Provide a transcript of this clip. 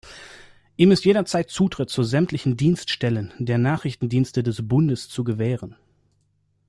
Ihm ist jederzeit Zutritt zu sämtlichen Dienststellen der Nachrichtendienste des Bundes zu gewähren.